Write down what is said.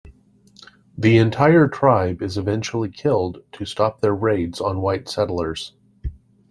The entire tribe is eventually killed, to stop their raids on white settlers.